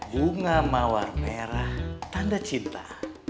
bunga mawar merah tanda cinta